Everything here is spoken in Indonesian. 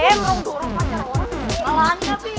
eh mau dua orang pacar orang malah anjab ya